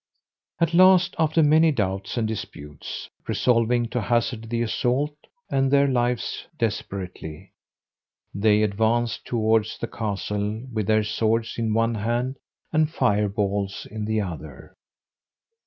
At last, after many doubts and disputes, resolving to hazard the assault and their lives desperately, they advanced towards the castle with their swords in one hand, and fire balls in the other.